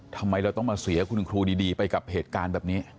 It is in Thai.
ทำไมเราต้องมาเสียคุณครูดีไปกับเหตุการณ์แบบนี้